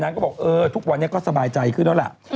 ก็บอกเออทุกวันนี้ก็สบายใจขึ้นแล้วล่ะ